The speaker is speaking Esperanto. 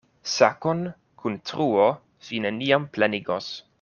Sakon kun truo vi neniam plenigos.